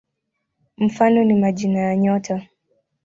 Mfano ni majina ya nyota.